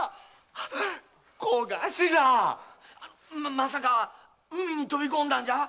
まさか海に飛び込んだんじゃ？